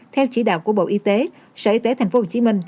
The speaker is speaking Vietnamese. theo chỉ đạo của bộ y tế sở y tế tp hcm